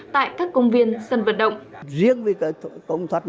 tại các hồ điều hòa